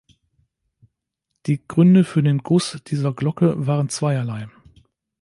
Die Gründe für den Guss dieser Glocke waren zweierlei.